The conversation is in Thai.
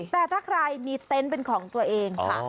แต่ถ้าใครมีเต็นต์เป็นของตัวเองค่ะ